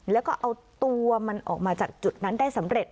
แล้วก็เอาตัวมันออกมาจากจุดนั้นได้สำเร็จ